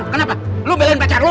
kenapa lu belain pacar lu